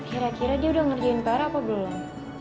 kira kira dia udah ngerjain parah apa belum